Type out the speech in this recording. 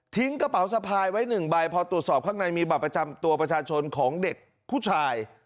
กระเป๋าสะพายไว้๑ใบพอตรวจสอบข้างในมีบัตรประจำตัวประชาชนของเด็กผู้ชาย